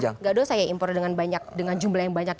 berarti nggak dosa ya impor dengan jumlah yang banyak